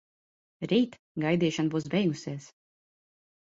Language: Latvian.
Rīt gaidīšana būs beigusies.